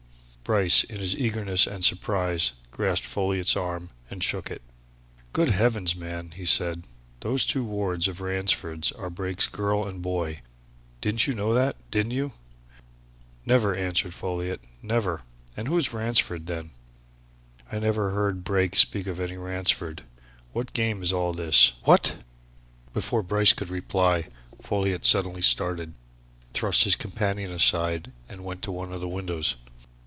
Bryce in his eagerness and surprise grasped Folliot's arm and shook it. "Good heavens, man!" he said. "Those two wards of Ransford's are Brake's girl and boy! Didn't you know that, didn't you?" "Never!" answered Folliot. "Never! And who's Ransford, then? I never heard Brake speak of any Ransford! What game is all this? What " Before Bryce could reply, Folliot suddenly started, thrust his companion aside and went to one of the windows.